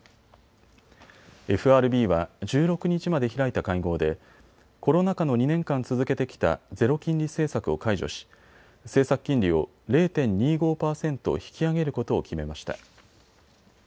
ＦＲＢは１６日まで開いた会合でコロナ禍の２年間続けてきたゼロ金利政策を解除し政策金利を０．２５％引き上げることを決めました。